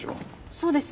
そうです。